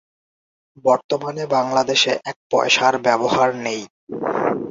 বর্তমানে বাংলাদেশে এক পয়সার ব্যবহার নেই।